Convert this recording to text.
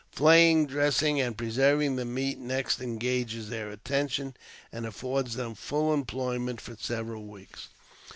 Flaying, dressing, and pre serving the meat next engages their attention, and affords them full employment for several weeks.